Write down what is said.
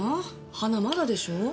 花まだでしょう？